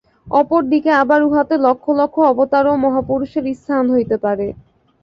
অপর দিকে আবার উহাতে লক্ষ লক্ষ অবতার ও মহাপুরুষের স্থান হইতে পারে।